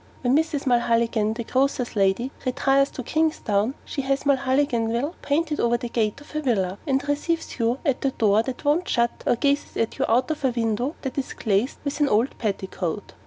When Mrs. Mulholligan, the grocer's lady, retires to Kingstown, she has Mulholliganville' painted over the gate of her villa; and receives you at a door that won't shut or gazes at you out of a window that is glazed with an old petticoat.